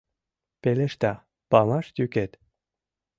Пелешта — памаш йӱкет.